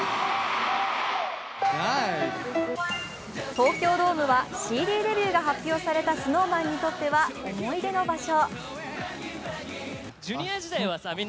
東京ドームはＣＤデビューが発表されたＳｎｏｗＭａｎにとっては思い出の場所。